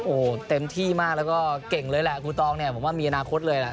โอ้โหเต็มที่มากแล้วก็เก่งเลยแหละครูตองเนี่ยผมว่ามีอนาคตเลยแหละ